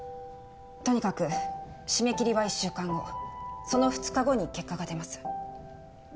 とにかく締め切りは１週間後その２日後に結果が出ます